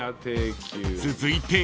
［続いて］